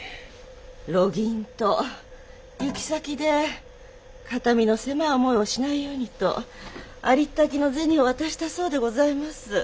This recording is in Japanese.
路銀と行き先で肩身の狭い思いをしないようにとありったけの銭を渡したそうでございます。